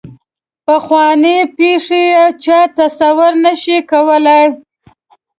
پخوانۍ پېښې یې چا تصور نه شو کولای.